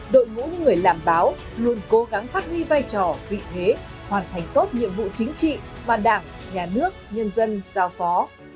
đội ngũ người làm báo luôn cố gắng phát huy vai trò vị thế hoàn thành tốt nhiệm vụ chính trị mà đảng nhà nước nhân dân giao phó